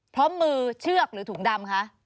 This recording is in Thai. เพราะมือเชือกหรือถุงดำคะ